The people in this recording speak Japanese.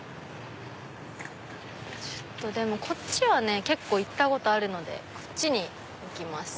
でもこっちはね結構行ったことあるのでこっちに行きます。